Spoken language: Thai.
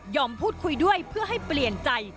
พูดคุยด้วยเพื่อให้เปลี่ยนใจ